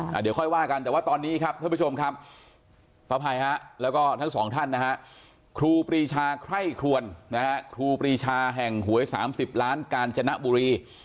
เดี๋ยวค่อยว่ากันแต่ว่าตอนนี้ครับท่านผู้ชมครับขออภัยฮะแล้วก็ทั้งสองท่านนะฮะครูปรีชาไคร่ครวนนะฮะครูปรีชาแห่งหวยสามสิบล้านกาญจนบุรี